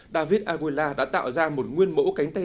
david agola đã tạo ra một nguyên mẫu cánh tay